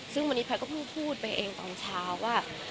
ซึ่งวันนี้พลัดก็พูดไปเองตอนเช้าว่า